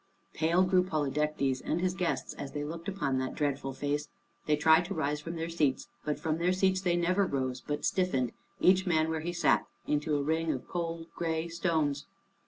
Pale grew Polydectes and his guests as they looked upon that dreadful face. They tried to rise from their seats, but from their seats they never rose, but stiffened, each man where he sat, into a ring of cold gray stones.